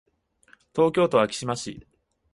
東京都昭島市